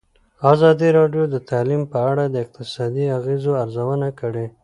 ازادي راډیو د تعلیم په اړه د اقتصادي اغېزو ارزونه کړې.